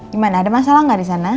gimana ada masalah gak disana